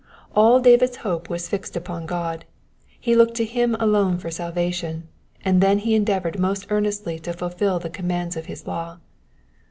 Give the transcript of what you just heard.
All David's hope was fixed upon God, he looked to him alone for salvation ; and then he endeavoured most earnestly to fulfil the commands of his law.